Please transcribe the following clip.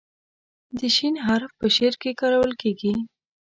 د "ش" حرف په شعر کې کارول کیږي.